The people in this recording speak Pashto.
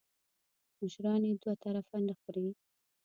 مشران یې دوه طرفه نه خوري .